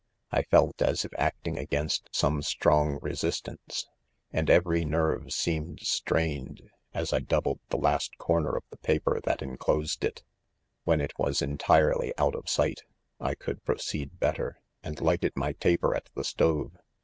I felt as if acting against some strong resistance, and every nerve seemed. strained 5 as I doubled the last, corner of 'the paper that enclosed it. * When, it was entirely out of sight, I could proceed better 3 and lighted my .taper at the stove.